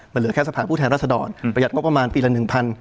มันเหลือแค่สภาพผู้แทนรัศดรประหยัดงบประมาณปีละหนึ่งพัน